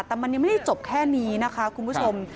แต่มันยังไม่ได้จบแค่นี้นะคะคุณผู้ชม